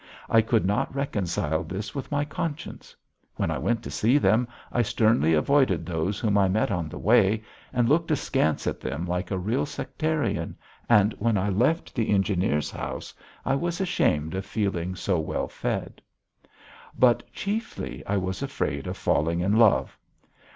I could not reconcile this with my conscience. When I went to see them I sternly avoided those whom I met on the way, and looked askance at them like a real sectarian, and when I left the engineer's house I was ashamed of feeling so well fed. But chiefly I was afraid of falling in love.